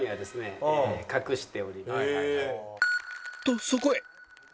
とそこへ